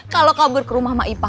kalau kamu berke rumah sama ipah